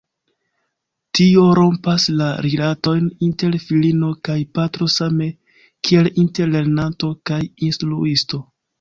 Tio rompas la rilatojn inter filino kaj patro same kiel inter lernanto kaj instruisto.